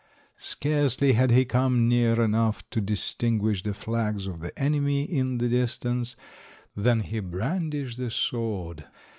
Scarcely had he come near enough to distinguish the flags of the enemy in the distance than he brandished the sword.